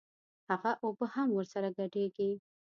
هغه اوبه هم ورسره ګډېږي.